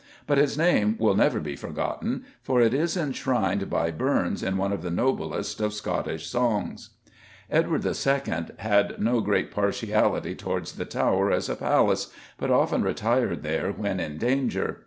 But his name will never be forgotten, for it is enshrined by Burns in one of the noblest of Scottish songs. Edward II. had no great partiality towards the Tower as a palace, but often retired there when in danger.